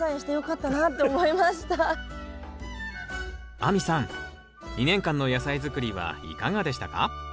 亜美さん２年間の野菜づくりはいかがでしたか？